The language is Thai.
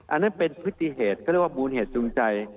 อันนั้นเป็นพฤติเหตุเขาเรียกว่ามูลเหตุจูงใจ